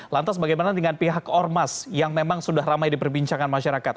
lantas bagaimana dengan pihak ormas yang memang sudah ramai diperbincangkan masyarakat